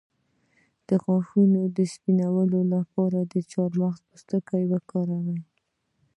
د غاښونو د سپینولو لپاره د چارمغز پوستکی وکاروئ